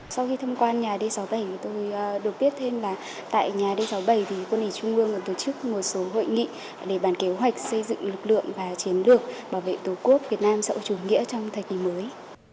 sau khi thăm quan nhà d sáu mươi bảy thì tôi được biết thêm là tại nhà d sáu mươi bảy thì quân ủy trung ương còn tổ chức một số hội nghị để bàn kế hoạch xây dựng lực lượng và chiến lược bảo vệ tổ quốc việt nam xã hội chủ nghĩa trong thời kỳ mới